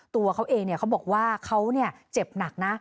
ตัวเขาเองเขาบอกว่าเขาเจ็บหนักนะ